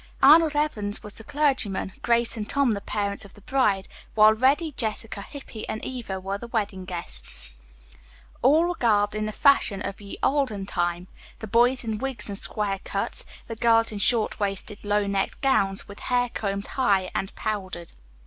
Arnold Evans was the clergyman, Grace and Tom the parents of the bride, while Reddy, Jessica, Hippy and Eva were the wedding guests. All were garbed in the fashion of "ye olden time," the boys in wigs and square cuts, the girls in short waisted, low necked gowns, with hair combed high and powdered.